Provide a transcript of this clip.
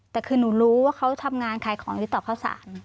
แต่คือหนูรู้ว่าเขาทำงานขายของที่ต่อข้าวสาร